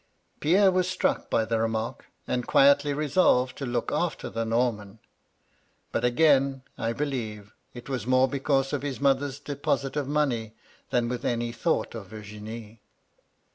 " Pierre was struck by the remark, and quietly re solved to look after the Norman ; but again, I believe, it was more because of his mother's deposit of money than with any thought of Virginie.